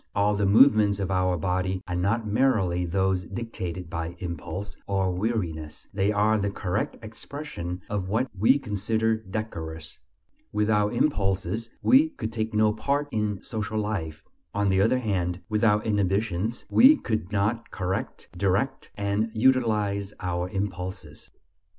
All the movements of our body are not merely those dictated by impulse or weariness; they are the correct expression of what we consider decorous. Without impulses we could take no part in social life; on the other hand, without inhibitions we could not correct, direct, and utilize our impulses.